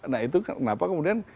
nah itu kenapa kemudian